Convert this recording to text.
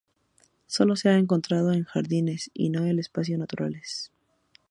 Sólo se ha encontrado en jardines y no en espacios naturales.